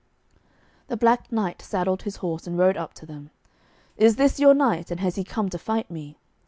The Black Knight saddled his horse and rode up to them. 'Is this your knight, and has he come to fight me?'